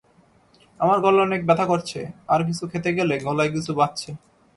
আমার গলা অনেক ব্যথা করছে আর কিছু খেতে গেলে গলায় কিছু বাধছে।